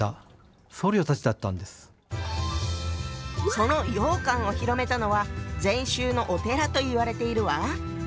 その羊羹を広めたのは禅宗のお寺といわれているわ。